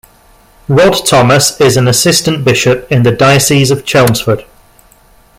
Rod Thomas is an assistant bishop in the Diocese of Chelmsford.